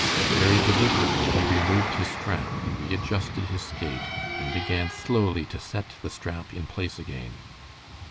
Very deliberately he removed his strap, readjusted his skate, and began slowly to set the strap in place again.